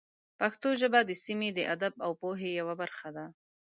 پښتو ژبه د سیمې د ادب او پوهې یوه برخه ده.